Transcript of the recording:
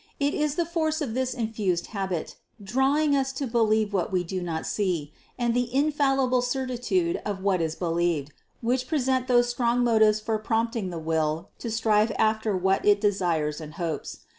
It is the force of this infused habit, drawing us to believe what we do not see, 380 CITY OF GOD and the infallible certitude of what is believed, which pre sent those strong motives for prompting the will to strive after what it desires and hopes.